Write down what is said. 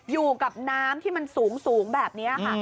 อยู่กับน้ำที่มันสูงแบบนี้ค่ะ